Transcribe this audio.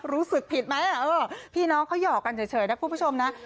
รู้สึกผิดไหมเออพี่น้องเขาหยอกกันเฉยนะคุณผู้ชมนะ